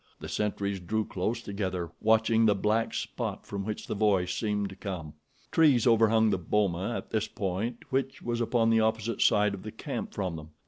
The sentries drew close together, watching the black spot from which the voice seemed to come. Trees overhung the boma at this point which was upon the opposite side of the camp from them.